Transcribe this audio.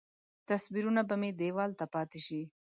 تصویرونه به مې دیوال ته پاتې شي.